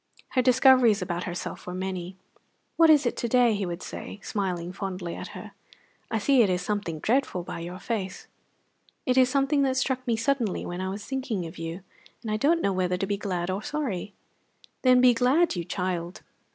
Her discoveries about herself were many. "What is it to day?" he would say, smiling fondly at her. "I see it is something dreadful by your face." "It is something that struck me suddenly when I was thinking of you, and I don't know whether to be glad or sorry." "Then be glad, you child."